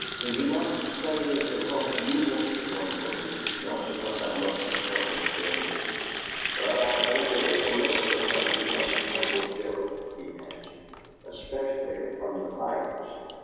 "Then you must say it is because you want to come for me, not because I mustn't come with Joe." "But I think it is a little because you mustn't come with Joe," he answered, "especially from the Pikes'.